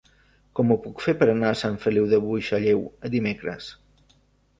Com ho puc fer per anar a Sant Feliu de Buixalleu dimecres?